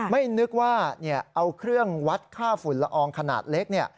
ไม่นึกว่าเอาเครื่องวัดค่าฝุ่นละอองขนาดเล็ก